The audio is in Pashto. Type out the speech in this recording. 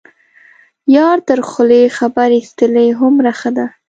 یار تر خولې خبر یستلی هومره ښه ده.